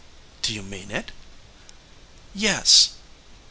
"Do you mean it?" "Yes."